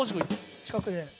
近くで。